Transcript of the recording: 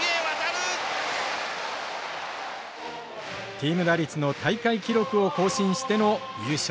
チーム打率の大会記録を更新しての優勝。